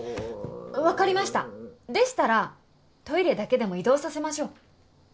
わかりましたでしたらトイレだけでも移動させましょう。